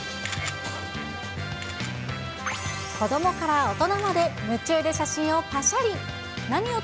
子どもから大人まで夢中で写真をぱしゃり。